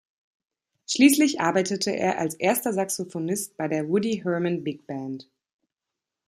Schließlich arbeitete er als erster Saxophonist bei der Woody Herman Big Band.